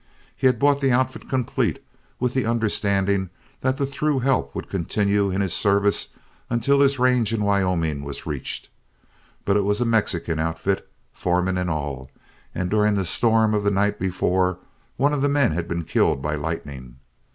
He had bought the outfit complete, with the understanding that the through help would continue in his service until his range in Wyoming was reached. But it was a Mexican outfit, foreman and all, and during the storm of the night before, one of the men had been killed by lightning.